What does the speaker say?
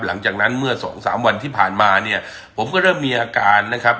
หลังจากนั้นเมื่อสองสามวันที่ผ่านมาเนี่ยผมก็เริ่มมีอาการนะครับ